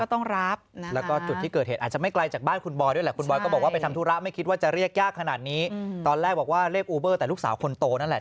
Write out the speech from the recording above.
ตอนแรกบอกว่าเรียกอูเบอร์แต่ลูกสาวคนโตนั่นแหละ